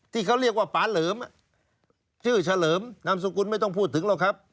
ที่เขาเรียกว่าปาเหลิมชื่อเฉลิมนามสกุลไม่ต้องพูดถึงหรอกครับ